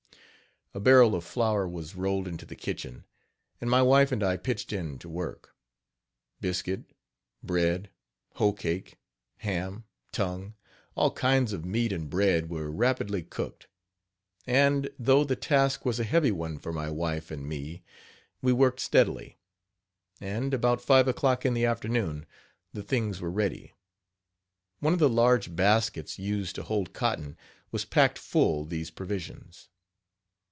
" A barrel of flour was rolled into the kitchen, and my wife and I "pitched in" to work. Biscuit, bread, hoe cake, ham, tongue all kinds of meat and bread were rapidly cooked; and, though the task was a heavy one for my wife and me, we worked steadily; and, about five o'clock in the afternoon the things were ready. One of the large baskets used to hold cotton was packed full these provisions.